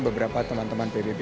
beberapa teman teman pbb